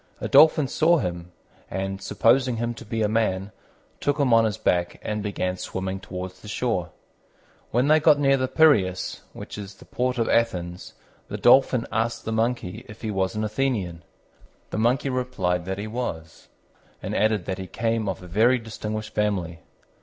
A Dolphin saw him, and, supposing him to be a man, took him on his back and began swimming towards the shore. When they got near the Piræus, which is the port of Athens, the Dolphin asked the Monkey if he was an Athenian. The Monkey replied that he was, and added that he came of a very distinguished family.